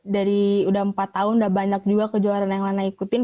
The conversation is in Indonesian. dari udah empat tahun udah banyak juga kejuaraan yang lana ikutin